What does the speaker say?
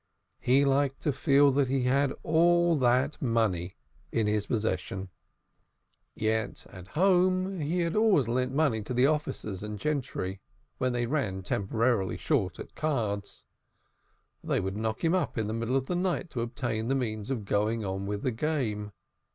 He liked to feel that he had all that money in his possession. Yet "at home," in Poland, he had always lent money to the officers and gentry, when they ran temporarily short at cards. They would knock him up in the middle of the night to obtain the means of going on with the game.